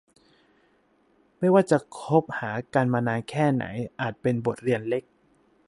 ไม่ว่าจะคบหากันมานานแค่ไหนอาจเป็นบทเรียนเล็ก